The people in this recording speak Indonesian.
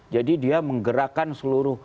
jadi dia menggerakkan seluruh